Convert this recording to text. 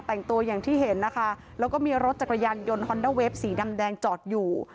แต่งตัวอย่างที่เห็นนะคะแล้วก็มีรถจักรยานยนต์ฮอนด้าเวฟสีดำแดงจอดอยู่